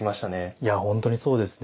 いや本当にそうですね。